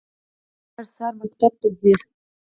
ماريه هر سهار ښوونځي ته ځي